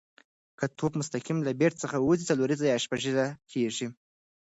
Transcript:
که توپ مستقیم له بېټ څخه وځي، څلوریزه یا شپږیزه کیږي.